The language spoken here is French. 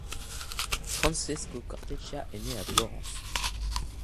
Francesco Corteccia est né à Florence.